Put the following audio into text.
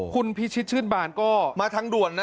คุณพิชิตชื่นบานก็มาทางด่วนนะ